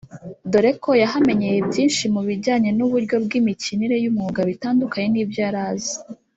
dore ko yahamenyeye byinshi mu bijyanye n’uburyo bw’imikinire y’umwuga bitandukaye n’ibyo yari azi